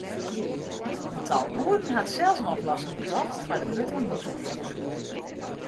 In tal boeren hat sels in oplossing betocht foar de grutte mûzepleach.